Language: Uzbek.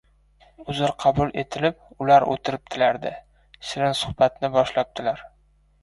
Uzr qabul etilib, ular o‘tiribdilar-da, shirin suhbatni boshlabdilar.